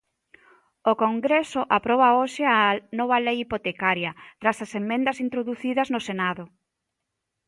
O Congreso aproba hoxe a nova Lei hipotecaria, tras as emendas introducidas no Senado.